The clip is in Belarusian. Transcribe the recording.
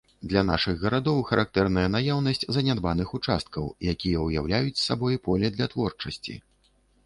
Для нашых гарадоў характэрная наяўнасць занядбаных участкаў, якія ўяўляюць сабой поле для творчасці.